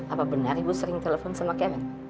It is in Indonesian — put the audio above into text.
apa benar ibu sering telepon sama kemen